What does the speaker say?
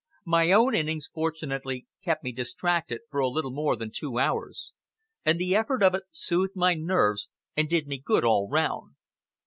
My own innings fortunately kept me distracted for a little more than two hours, and the effort of it soothed my nerves and did me good all round.